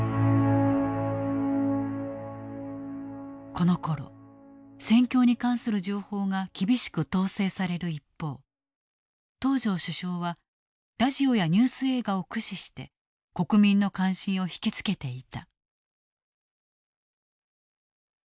このころ戦況に関する情報が厳しく統制される一方東條首相はラジオやニュース映画を駆使して国民の関心を引き付けていた。